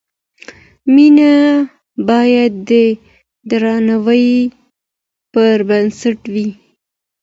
مینه باید د درناوي پر بنسټ وي.